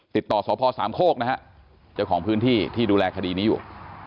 ติดต่อสพสามโคกนะฮะเจ้าของพื้นที่ที่ดูแลคดีนี้อยู่